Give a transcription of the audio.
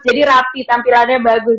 jadi rapi tampilannya bagus